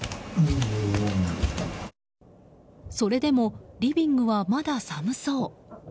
それでもリビングはまだ寒そう。